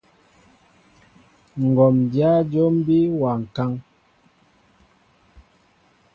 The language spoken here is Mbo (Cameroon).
Ŋgǒm dyá jǒm bí wa ŋkán.